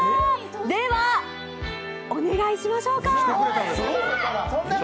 では、お願いしましょうか！